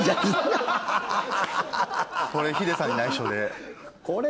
これヒデさんに内緒で。